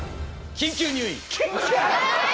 緊急入院！？